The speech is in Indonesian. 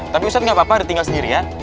tapi ustadz gak apa apa udah tinggal sendiri ya